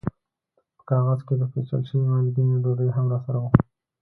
په کاغذ کې د پېچل شوې مالګینې ډوډۍ هم راسره وه.